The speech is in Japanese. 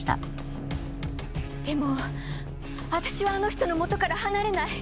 でもあたしはあの人のもとから離れない。